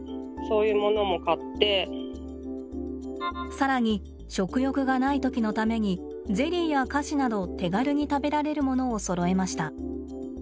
更に食欲がない時のためにゼリーや菓子など手軽に食べられるものをそろえました。